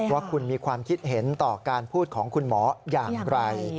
ว่าคุณมีความคิดเห็นต่อการพูดของคุณหมออย่างไร